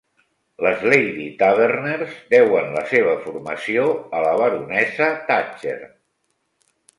Les Lady Taverners deuen la seva formació a la baronessa Thatcher.